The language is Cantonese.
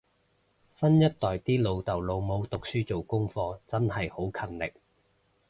新一代啲老豆老母讀書做功課真係好勤力